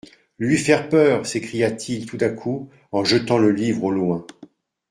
LUI FAIRE PEUR s'écria-t-il tout à coup en jetant le livre au loin.